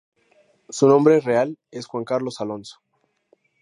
Su nombre real es Juan Carlos Alonso.